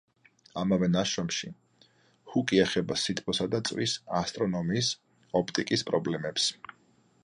ამავე ნაშრომში ჰუკი ეხება სითბოსა და წვის, ასტრონომიის, ოპტიკის პრობლემებს.